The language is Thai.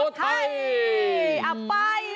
ไปสุโขทัยไม่อยู่แล้ว